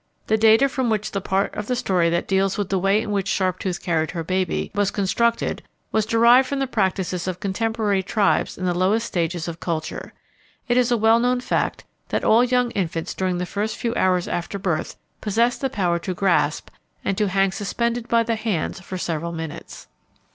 The data from which the part of the story that deals with the way in which Sharptooth carried her baby was constructed was derived from the practices of contemporary tribes in the lowest stages of culture. It is a well known fact that all young infants during the first few hours after birth possess the power to grasp and to hang suspended by the hands for several minutes.